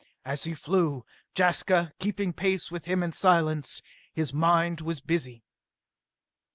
As he flew, Jaska keeping pace with him in silence, his mind was busy.